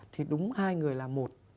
thì đúng hai người là một